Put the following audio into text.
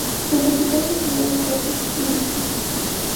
Su capital es la ciudad de Puerto Píritu.